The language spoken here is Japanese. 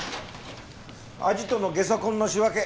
アジトのゲソ痕の仕分け